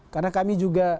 karena kami juga